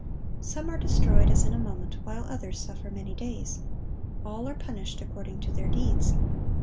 (1170) Some are destroyed as in a moment, while others suffer many days. All are punished "according to their deeds."